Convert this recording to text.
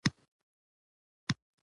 نو د دې خيالاتو کنټرول